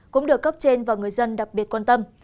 cũng được cấp trên và người dân đặc biệt quan tâm